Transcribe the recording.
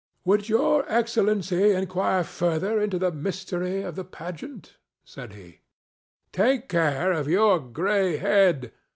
"Would Your Excellency inquire further into the mystery of the pageant?" said he. "Take care of your gray head!"